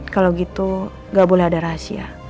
kalau gitu nggak boleh ada rahasia